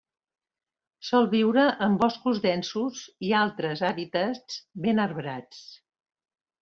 Sol viure en boscos densos i altres hàbitats ben arbrats.